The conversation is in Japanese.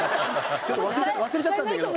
ちょっと忘れちゃったんだけど。